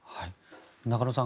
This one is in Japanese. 中野さん